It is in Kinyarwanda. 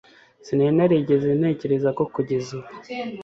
sinari narigeze ntekereza ko kugeza ubu